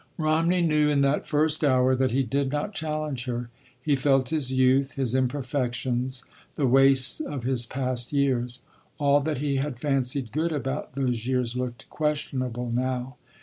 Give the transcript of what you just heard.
Romney knew in that first hour that he did not challenge her. He felt his youth, his imperfections, the wastes of his past years. All that he had fancied good about those years looked questionable now.